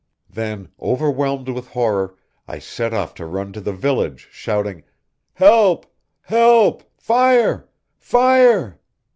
Then, overwhelmed with horror, I set off to run to the village, shouting: "Help! help! fire! fire!"